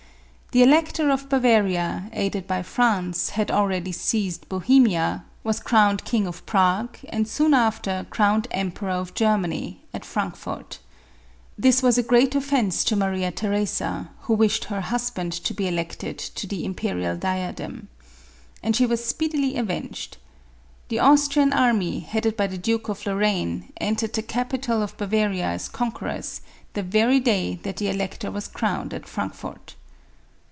The Elector of Bavaria, aided by France, had already seized Bohemia, was crowned King of Prague, and soon after crowned Emperor of Germany, at Frankfort. This was a great offence to Maria Theresa, who wished her husband to be elected to the imperial diadem. And she was speedily avenged. The Austrian army, headed by the Duke of Lorraine, entered the capital of Bavaria as conquerors, the very day that the elector was crowned at Frankfort.